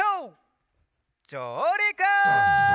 じょうりく！